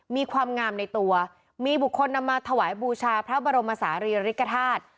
มีความงามในตัวมีบุคคลนำมาถวายบูชาพระบรมศาลีริกฐาตุ